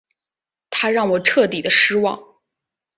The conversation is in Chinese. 他让我彻底的失望